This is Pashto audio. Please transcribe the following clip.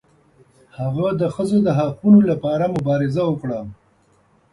هغه د ښځو د حقونو لپاره مبارزه وکړه.